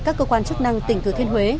các cơ quan chức năng tỉnh thừa thiên huế